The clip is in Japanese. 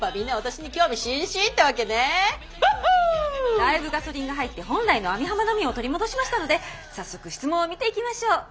だいぶガソリンが入って本来の網浜奈美を取り戻しましたので早速質問を見ていきましょう！